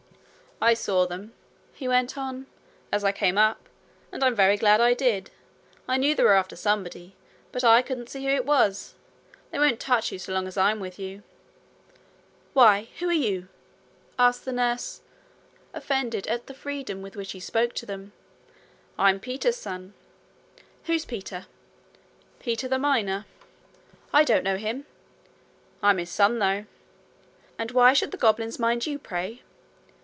'I saw them,' he went on, 'as I came up; and I'm very glad I did. I knew they were after somebody, but I couldn't see who it was. They won't touch you so long as I'm with you.' 'Why, who are you?' asked the nurse, offended at the freedom with which he spoke to them. 'I'm Peter's son.' 'Who's Peter?' 'Peter the miner.' 'I don't know him.' 'I'm his son, though.' 'And why should the goblins mind you, pray?'